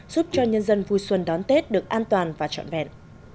giúp cho nhân dân vui xuân đón tết được an toàn và trọn vẹn